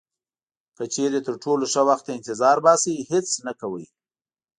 که چیرې تر ټولو ښه وخت ته انتظار باسئ هیڅ نه کوئ.